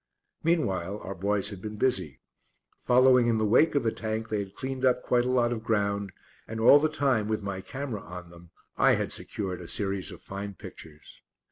Meanwhile our boys had been busy. Following in the wake of the Tank, they had cleaned up quite a lot of ground, and all the time, with my camera on them, I had secured a series of fine pictures.